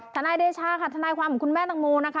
ทนายเดชาค่ะทนายความของคุณแม่ตังโมนะคะ